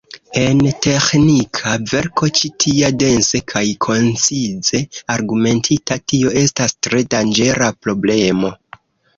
En teĥnika verko ĉi tia, dense kaj koncize argumentita, tio estas tre danĝera problemo.